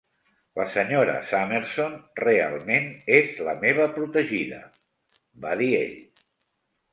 "La senyora Summerson realment és la meva protegida", va dir ell.